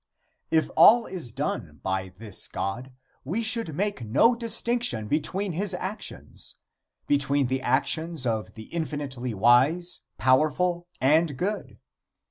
If all is done by this God we should make no distinction between his actions between the actions of the infinitely wise, powerful and good.